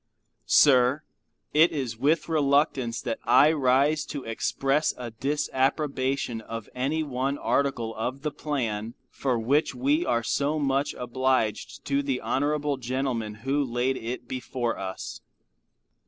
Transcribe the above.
Sir. It is with reluctance that I rise to express a disapprobation of any one article of the plan for which we are so much obliged to the honorable gentleman who laid it before us.